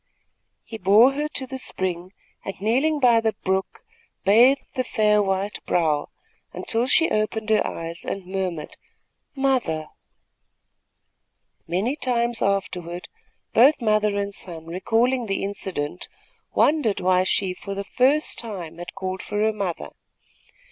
He bore her to the spring and, kneeling by the brook, bathed the fair white brow, until she opened her eyes and murmured: "Mother!" Many times afterward, both mother and son, recalling the incident, wondered why she, for the first time, had called for her mother.